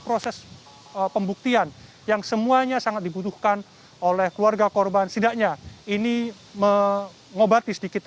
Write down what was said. proses pembuktian yang semuanya sangat dibutuhkan oleh keluarga korban setidaknya ini mengobati sedikit